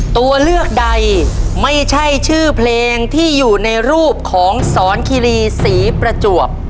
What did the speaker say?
ตัวเลือกใดไม่ใช่ชื่อเพลงที่อยู่ในรูปของสอนคิรีศรีประจวบ